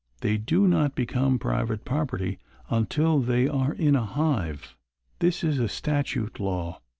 They do not become private property until they are in a hive." This is a statute law.